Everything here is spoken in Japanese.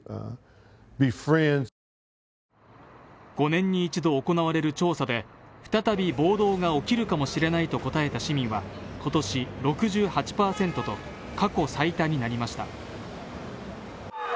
５年に一度行われる調査で再び暴動が起きるかもしれないと答えた市民は今年６８％と過去最多になりました。